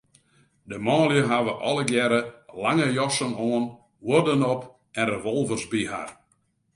De manlju hawwe allegearre lange jassen oan, huodden op en revolvers by har.